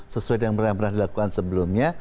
sesuai dengan yang pernah dilakukan sebelumnya